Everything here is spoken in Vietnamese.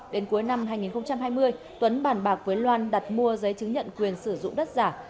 đến cuối năm hai nghìn hai mươi tuấn bàn bạc với loan đặt mua giấy chứng nhận quyền sử dụng đất giả